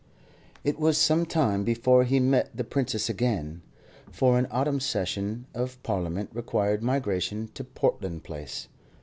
It was some time before he met the Princess again, for an autumn session of Parliament required migration to Portland Place.